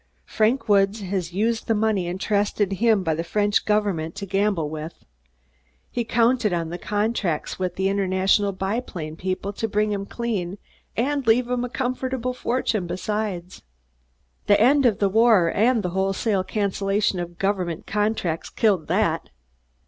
Frank Woods has used the money entrusted him by the French Government to gamble with. He counted on the contracts with the International Biplane people to bring him clean and leave him a comfortable fortune besides. The end of the war and the wholesale cancellation of government contracts killed that.